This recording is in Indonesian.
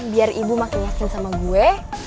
biar ibu makin asin sama gue